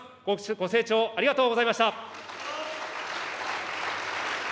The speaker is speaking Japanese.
ご清聴ありがとうございました。